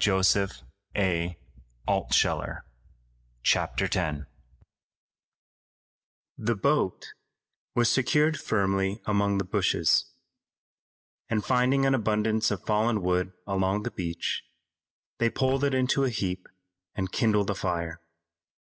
CHAPTER X OVER THE MOUNTAINS The boat was secured firmly among the bushes, and finding an abundance of fallen wood along the beach, they pulled it into a heap and kindled a fire.